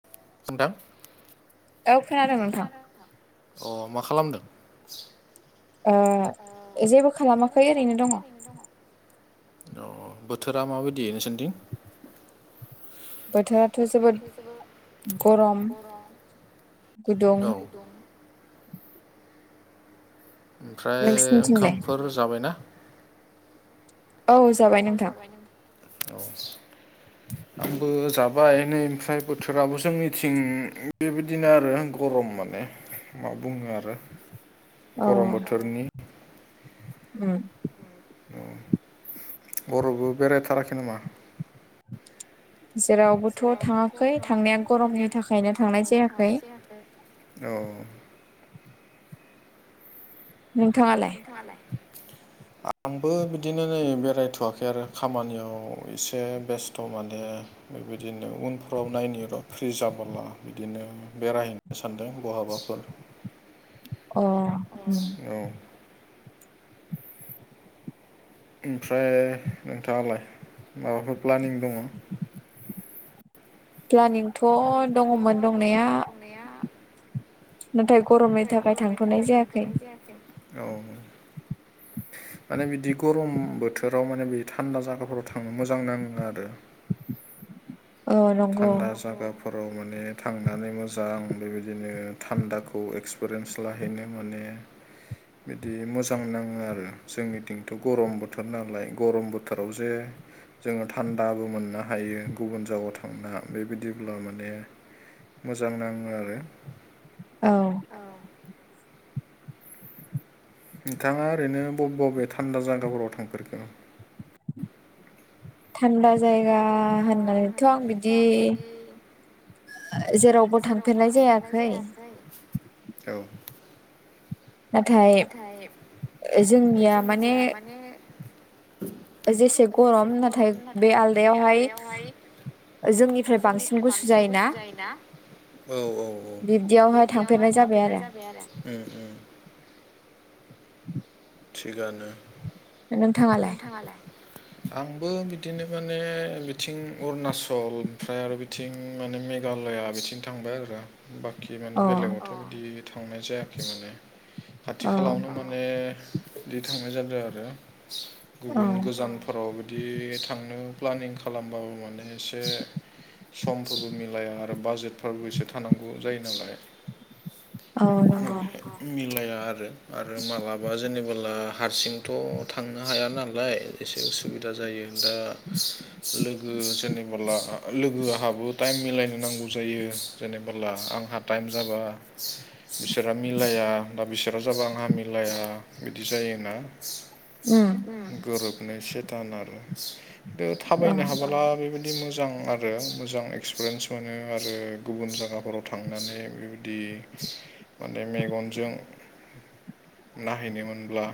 [unintelligible] औ खोनादों नोंथां। अ मा खालामदों? ओ जेबो खालामाखै ओरैनो दङ। अ बोथोरा माबायदि नोंसोरनिथिं? बोथोराथ' जोबोद गरम गुदुं। औ ओमफ्राय नोंसिनिथिंलाय ओंखामफोर जाबायना? औ औ नोंथां जाबाय नों औ [inaudible] आंबो जाबाय नै ओमफ्राय बोथोराबो जोंनिथिं बेबायदिनो आरो गरम माने। मा बुंनो आरो। गरम अ' बोथोरनि उम उम बरावबो बेरायथाराखै नामा? जेरावबोथ' थाङाखै थांनाया गरमनि थाखायनो थांनाय जायाखै। औ नोंथाङा लाय? थाङा लाय? आंबो बिदिनो नै बेरायथ'आखै आरो खामानियाव एसे बेस्थ' माने बेबादिनो उनफ्राव नायनि र' फ्रि जाबोला बिदिनो बेरायहैनो सानदों बहाबाफोर। अ' उम अ' औ ओमफ्राय नोंथाङालाय माबाफोर प्लानिं दङ? प्लानिंथ' दङमोन दंनाया। नाया नाथाय गरमनि नाथाय थाखाय गरमनि थांथ'नाय थाखाय जायाखै थांथ'नाय जायाखै। औ माने बिदि गरम बोथोराव माने बि थान्दा जायगाफोराव थांनो मोजां नाङो आरो। औ नंगौ थान्दा जागाफोराव माने थांनानै मोजां बेबायदिनो थान्दाखौ एक्सपिरियेन्स फिस लाहैनो माने बिदि मोजां नाङो आरो। जोंनिथिंथ' गरम बोथोर नालाय। गरम बोथोराव जे जोङो थान्दाबो मोननो हायो। गुबुन जागाव ओं ना बेबादिब्ला माने मोजां नाङो आरो। औ नोंथाङा ओरैनो बबे बबे थान्दा जागाफोराव थांफेरखो? थान्दा जायगा होननानैथ' आं बिदि जेरावबो थांफेरनाय जायाखै। औ नाथाय ओ जोंनिया माने ओ जेसे गरम नाथाय बे आलदायावहाय ओ जोंनिफ्राय बांसिन गुसु जायोना। औ औ औ बिब्दियावहाय थांफेरनाय जाबाय आरो। उम उम थिगानो। नोंथाङालाय नोंथाङा लाय? आंबो बिदिनो माने बिथिं अरुणाचल ओमफ्राय आरो बि थिं माने मेघालया बिथिं थांबाय आरो। बाखि माने अ बेलेगावथ' बिदि थांनाय जायाखै माने खाथि अ खालावनो ने इदि थांनाय जादों आरो औ गुबुन गोजान फोराव बिदि थांनो प्लानिं खालामबाबो माने एसे समफोरबो मिलाया आरो बाजेटफ्राबो एसे थानांगौ जायो नालाय। औ नोंगौ। मिलाया आरो। आरो मालाबा जेनेबोला हारसिंथ' थांनो हाया नालाय एसे उसुबिदा जायो दा लोगो जेनेबोला लोगो आहाबो टाइम मिलायनो नांगौ जायो जेनेबोला आंहा टाइम जाबा बिसोरा मिलाया दा बिसोरा जाबा आंहा मिलाया बिदि जायोना। उम गोरोबनो एसे थान आरो। थु औ थाबायनो हाबोला बेबायद दि मोजां आरो मोजां एक्सपिरियेन्स मोनो आरो गुबुन जायगाफोराव थांनानै बेबायदि माने मेगनजों नायहैनो मोनब्ला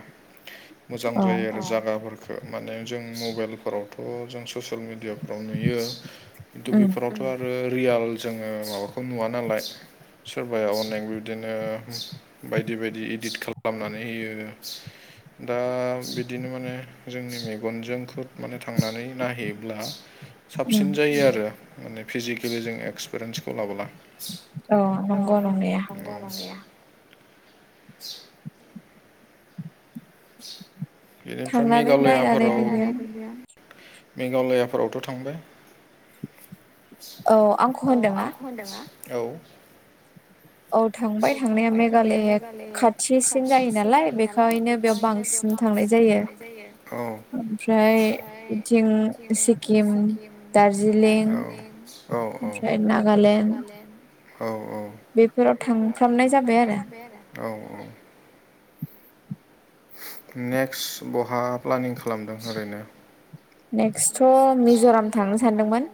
मोजां औ जायो आरो जागाफोरफोरखौ माने जों मबाइलफोरावथ' जों ससियेल मिडियाफोराव नुयो। खिन्थु उम बेफोरावथ' आरो रियाल जोङो माबाखौ नुवा नालाय सोरबाया अनलाइन बिबदिनो बायदि बायदि इदिट खालामनानै होयो। दा बिदिनो माने जोंनि मेगनजों खुद माने थांनानै नायहैयोब्ला उम साबसिन जायो आरो माने फिजिकेलि जों एक्सपिरियन्सखौ लाबोला। अ नंगौ नंनाया दंना गैया [inaudible] बेनिफ्राय थांनानै नायनानै मेघालयाफोराव नुनाया मेघालयाफोरावथ' थांबाय औ आंखौ होनदोंना? आंखौ होनदोंना? औ औ थांबाय थांनाया मेघायल खाथिसिन जायो नालाय बेखायनो बेयाव बांसिन बांसिन थांनाय जायो औ ओमफ्राय बिथिं बिदि सिक्किम दार्जिलिं औ औ ओमफ्राय नागालेण्ड औ औ बेफोराव थांफ्रामनाय जाबाय आरो। औ औ नेक्स्ट बहा प्लानिं खालामदों ओरैनो? नेक्सथ' मिज'राम थांनो सानदोंमोन।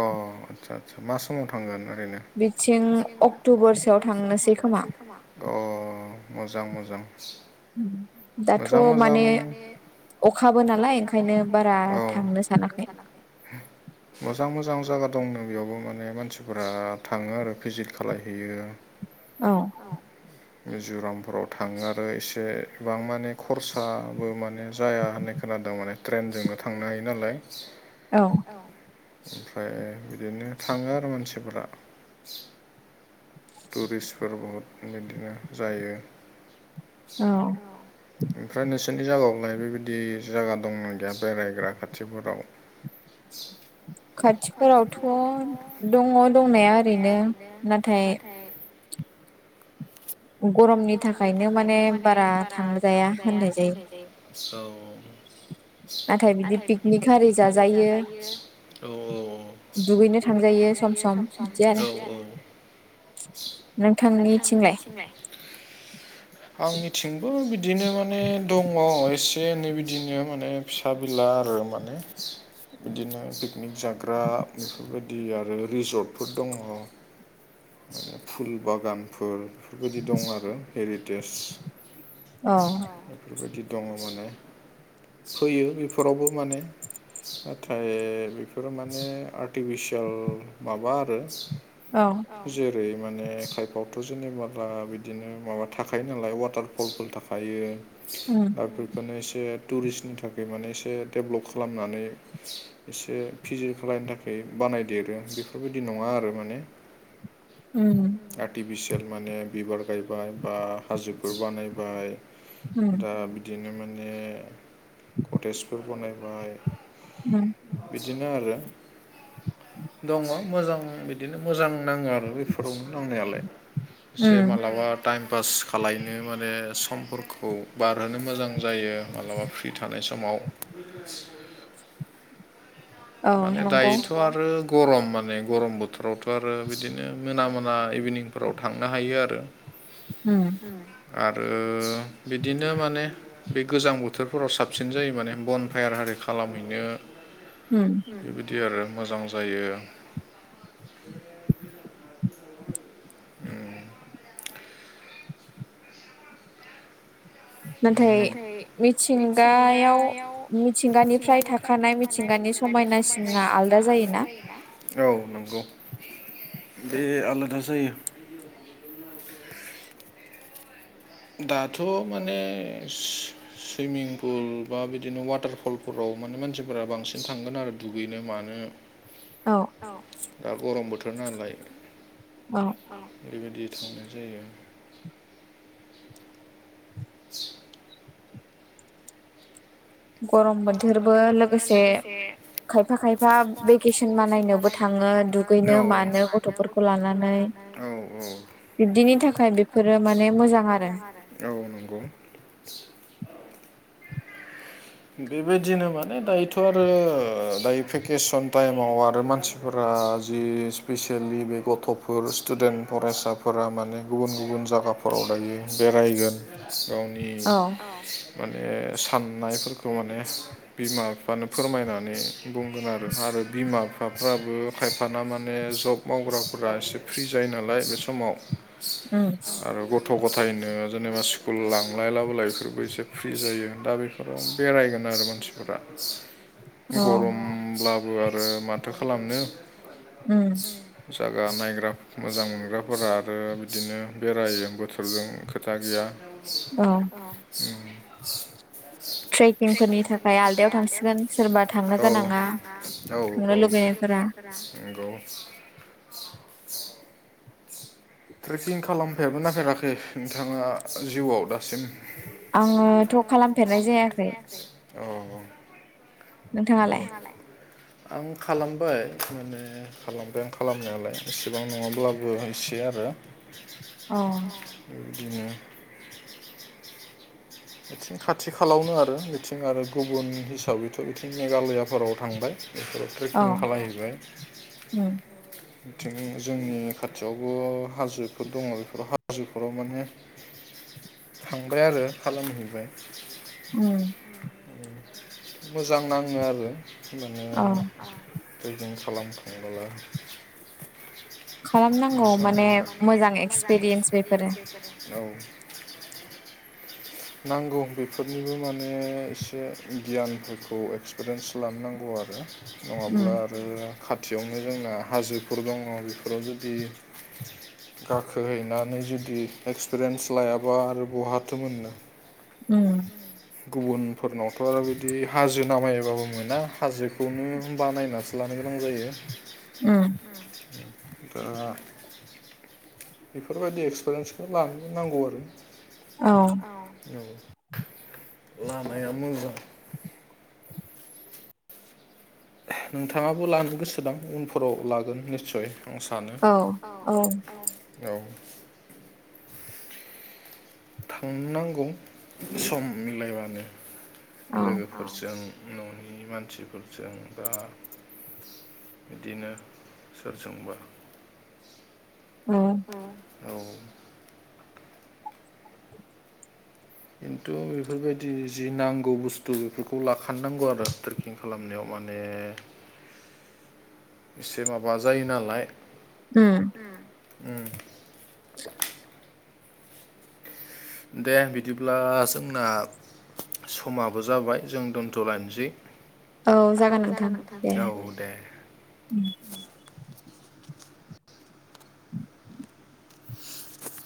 अ' आदसा आदसा मा समाव थांगोन ओरैनो? बिथिं अक्ट'बरसोआव थांनोसै खोमा। अ' मोजां मोजां। दाथ' मोजां मोजां माने अखाबो नालाय ओंखायनो बारा थांनो सानाखै मोजां मोजां जायगा दंनो बेयावबो माने मानसिफोरा थाङो आरो भिजिट खालायहैयो। औ मिज'रामफोराव थाङो आरो एसेबां माने खरसाबो माने जाया होननाय खोनादों माने ट्रेइनजोंनो थांनो हायो नालाय औ ओमफ्राय बिदिनो थाङो आरो मानसिफोरा टुरिस्टफोर बहुद बिदिनो जायो। औ ओमफ्राय नोंसोरनि जायगायावलाय बेबायदि जायगा दंना गैया बेरायग्रा खाथिफोराव खाथिफोरावथ' दङ दंनाया ओरैनो नाथाय गरमनि थाखायनो माने बारा थांजाया होननाय जायो। नाथाय बिदि पिकनिक आरि जाजायो औ दुगैनो थांलायो सम सम नोंथांनिथिंलाय आंनिथिंबो बिदिनो माने दङ एसे एनै बिदिनो माने फिसा बिला आरो माने बिदिनो पिकनिक जाग्रा बेफोरबायदि आरो रिजर्टफोर दङ। आरो फुल बागान फोर बेफोरबायदि दं आरो हेरिटेज औ बेफोरबायदि दङ माने फैयो बेफोरावबो माने नाथाय बेफोरो माने आर्टिफिसियेल माबा आरो औ जेरै माने खायफ फ्रावथ' जेनेबाला बिदिनो माबा थाखायो नालाय वाटारफलफोर थाखायो उम दा फोरखौनो एसे टुरिस्टनि थाखाय माने एसे डेभलप खालामनानै एसे फिजि खालायनो थाखाय बानायदेरो बेफोरबायदि नङा आरो माने उम आर्टिफिसियेल माने बिबार गायबाय बा हाजोफोर बानायबाय उम दा बिदिनो माने कटेजफोर बानायबाय उ बिदिनो आरो दङ मोजां बिदिनो मोजां नाङो आरो बेफोरावनो नांनायालाय एसे उम मालाबा टाइम पास खालायनो माने समफोरखौ बारहोनो मोजां जायो मालाबा फ्रि थानाय समाव औ माने नंगौ दायोथ' आरो गरम माने गरम बोथोरावथ' आरो बिदिनो मोना मोना इभिनिंफोराव थांनो हायो आरो उ आरो बिदिनो माने बे गोजां बोथोरफोराव साबसिन जायो माने बन फायार आरि खालामहैनो उ बेबायदि आरो मोजां जायो नाथाय मिथिंगायाव मिथिंगानिफ्राय थाख खानाय मिथिंगानि समायनासिना आलदा जायोना औ नंगौ बे आलादा जायो दाथ' माने सुइमिं पुल बा बिदिनो वाटारफलफोराव माने मानसिफोरा बांसिन थांगोन आरो दुगैनो मानो औ औ दा गरम बोथोर नालाय अ बेबायदि थांनाय जायो आरो [inaudible] गरम बोथोरबो लोगोसे खायफा खायफा भेकेसन मानायनोबो थाङो दुगैनो मानो गथ'फोरखौ लानानै औ औ बिब्दिनि थाखाय बेफोरो माने मोजां आरो औ नंगौ बेबायदिनो माने दायोथ' आरो दायो भेकेसन टाइमाव आरो मानसि फोरा जि स्पेसियेलि बे गथ'फोर स्टुडेन्ट फरायसाफोरा माने गुबुन गुबुन जागा नखराव दायो बेरायगोन गावनि औ माने साननायफोरखौ नङा ने बिमा बिफानो फोरमायनानै बुंगोन आरो आरो बिमा बिफाफ्राबो खायफाना माने जब मावग्राफोरा एसे फ्रि जायो नालाय बे समाव उ आरो गथ' गथायनो जेनेबा स्कुल लांलाय लाबोलाय बेफोरबो एसे फ्रि जायो दा बेफोराव बेरायगोन आरो मानसिफोरा औ गरम होमब्लाबो आरो माथो खालामनो उ जागा नायग्रा मोजां मोनग्राफोरा आरो बिदिनो बेरायो बोथोरजों खोथा गैया औ उ ट्रेकिंफोरनि थाखाय आलदायाव थांसिगोन सोरबा औ थांनो औ औ लुगैनायफोरा नंगौ ट्रेकिं खालाम होफेरखोना फेराखै नोंथाङा जिउआव दासिम? आङो थ' खालामफेरनाय जायाखै। अ ओं। नोंथाङालाय आं खालामबाय माने खालामबाय आं खालामनायालाय इसेबां नङाब्लाबो होनसे आरो। अ। बेबायदिनो [unintelligible] खाथि खालावनो आरो बिथिं आरो गुबुन हिसाबैथ' बिथिं मेघालयाफोराव थांबाय बेफोराव औ ट्रेकिं खालायहैबाय। उम बिथिं जोंनि खाथियावबो हाजोफोर दङ बेफोराव हाजोफोराव माने [inaudible] थांबाय आरो खालामहैबाय। उम। मोजां नाङो आरो माने औ ट्रेकिं खालाम थांनोब्ला माने खालामनांगौ माने मोजां मोजां एक्सपिरियेन्स बेफोरो औ [inaudible] नांगौ बेफोरनिबो माने एसे गियानफोरखौ एक्सपिरियेन्स लानो नांगौ आरो। उम नङाब्ला आरो खाथियावनो जोंना हाजोफोर दङ बेफोराव जुदि गाखोहैनानै जुदि एक्सपिरियेन्स लायाबा आरो बहाथो मोननो? उम गुबुनफोरनावथ' आरो बिदि हाजो नामायोबाबो मोना हाजोखौनो बानायनासो लानो गोनां जायो। उम दा? बेफोरबायदि एक्सपिरियेन्सखौ लानो नांगौ आरो औ। औ लामाया मोजां। नोंथाङाबो लानो गोसो दां उनफोराव लागोन निस्सय। आं सानो औ औ। थांनांगौ सम मिलायबानो औ लोगोफोर फोरजों न'नि मानसिफोरजों बा बिदिनो सोरजोंबा औ। औ औ। खिन्थु बेफोरबायदि जि नांगौ बुस्थु बेफोरखौ लाखनांगौ आरो थखि फटिं खालामनायाव माने [inaudible] एसे माबा जायो नालाय। उम उम दे बिदिब्ला जोंना समाबो जाबाय जों दोनथ' लायानोसै। औ जागोन नोंथां दे औ दे उ।